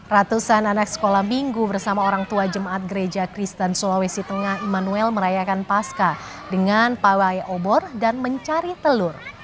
ratusan anak sekolah minggu bersama orang tua jemaat gereja kristen sulawesi tengah immanuel merayakan pasca dengan pawai obor dan mencari telur